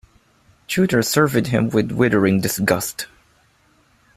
Tudor surveyed him with withering disgust.